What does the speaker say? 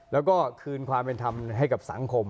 แล้วก็คืนความเป็นธรรมให้กับสังคม